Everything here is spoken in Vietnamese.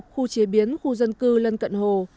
khu chế biến khu dân cư lân cận hồ